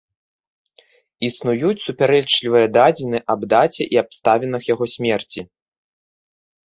Існуюць супярэчлівыя дадзеныя аб даце і абставінах яго смерці.